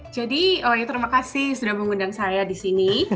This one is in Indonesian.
jadi terima kasih sudah mengundang saya di sini